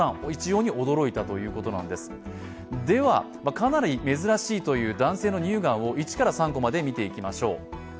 かなり珍しいという男性の乳がんを一から３コマで見ていきましょう。